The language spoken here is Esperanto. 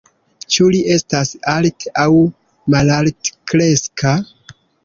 Ĉu li estas alt- aŭ malaltkreska?